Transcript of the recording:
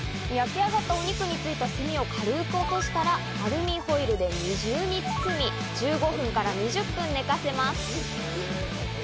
焼き上がったお肉についた炭を軽く落としたらアルミホイルで２重に包み、１５分から２０分寝かせます。